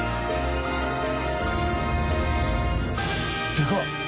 でかっ！